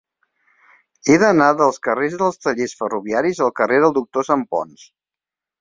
He d'anar del carrer dels Tallers Ferroviaris al carrer del Doctor Santponç.